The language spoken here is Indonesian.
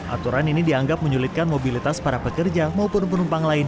aturan ini dianggap menyulitkan mobilitas para pekerja maupun penumpang lain